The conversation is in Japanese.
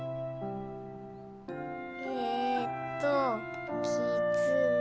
えーっときつね。